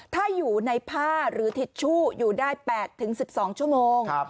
ถ้าอยู่ในผ้าหรือทิชชู่อยู่ได้๘๑๒ชั่วโมง